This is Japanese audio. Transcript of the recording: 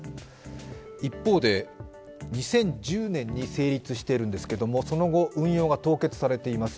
一方で、２０１０年に成立しているんですがその後、運用が凍結されています